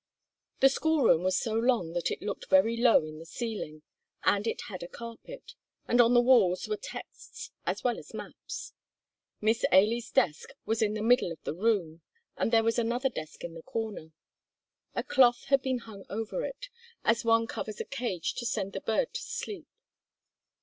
The school room was so long that it looked very low in the ceiling, and it had a carpet, and on the walls were texts as well as maps. Miss Ailie's desk was in the middle of the room, and there was another desk in the corner; a cloth had been hung over it, as one covers a cage to send the bird to sleep.